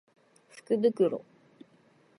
福袋